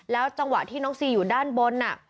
จังหวะที่น้องซีอยู่ด้านบน